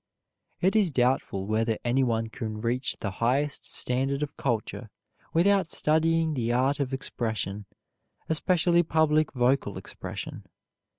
It is doubtful whether anyone can reach the highest standard of culture without studying the art of expression, especially public vocal expression.